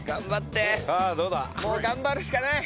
もう頑張るしかない。